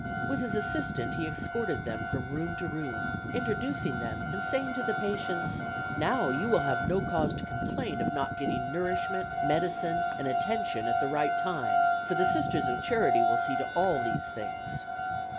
With his assistant he escorted them from room to room, introducing them and saying to the patients: "Now you will have no cause to complain of not getting nourishment, medicine and attention at the right time, for the Sisters of Charity will see to all these things."